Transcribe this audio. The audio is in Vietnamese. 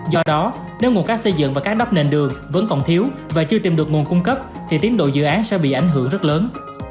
do đó nếu nguồn cát xây dựng và các đắp nền đường vẫn còn thiếu và chưa tìm được nguồn cung cấp thì tiến độ dự án sẽ bị ảnh hưởng rất lớn